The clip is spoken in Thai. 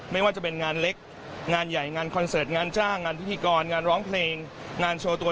ไม่ว่าจะเป็นงานเล็กงานใหญ่งานคอนเสิร์ตงานจ้างงานพิธีกรงานร้องเพลงงานโชว์ตัว